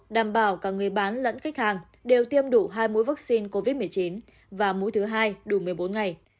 đảm bảo cả người bán lẫn khách hàng đều tiêm đủ hai mũi vaccine covid một mươi chín và mũi thứ hai đủ một mươi bốn ngày